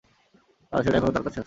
আর সেটা এখনো তার কাছেই আছে।